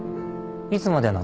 いつまでなの？